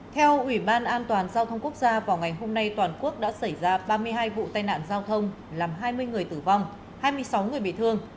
theo ủy ban an toàn giao thông quốc gia vào ngày hôm nay toàn quốc đã xảy ra ba mươi hai vụ tai nạn giao thông làm hai mươi người tử vong hai mươi sáu người bị thương